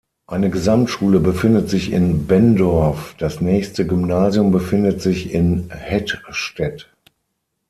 Eine Gesamtschule befindet sich in Benndorf, das nächste Gymnasium befindet sich in Hettstedt.